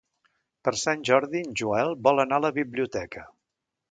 Per Sant Jordi en Joel vol anar a la biblioteca.